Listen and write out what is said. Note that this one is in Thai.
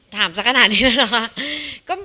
แต่หัวใจของคนนี้สดสนิทหรือยังไงครับ